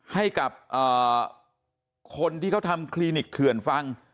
ให้กับคนที่เขาทำคลินิกเขื่อนฟัง